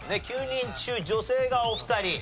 ９人中女性がお二人。